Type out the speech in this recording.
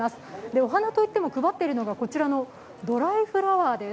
お花といっても配っているのがドライフラワーです。